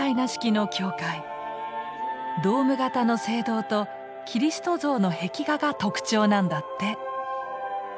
ドーム形の聖堂とキリスト像の壁画が特徴なんだって。